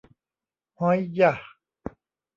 ฮ้อยยะ